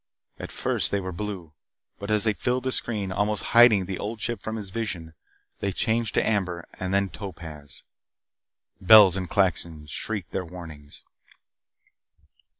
At first they were blue, but as they filled the screen, almost hiding the Old Ship from his vision, they changed to amber and topaz. Bells and klaxons shrieked their warnings.